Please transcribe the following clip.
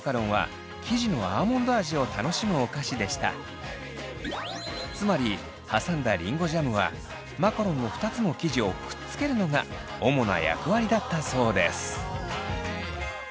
ちなみにつまり挟んだりんごジャムはマカロンの２つの生地をくっつけるのが主な役割だったそうです。